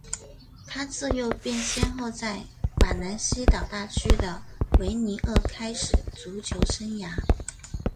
他自幼便先后在法兰西岛大区的维尼厄开始足球生涯。